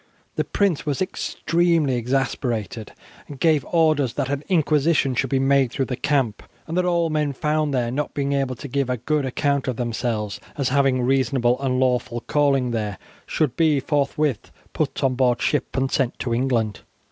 The prince was extremely exasperated, and gave orders that an inquisition should be made through the camp, and that all men found there not being able to give a good account of themselves as having reasonable and lawful calling there should be forthwith put on board ship and sent to England.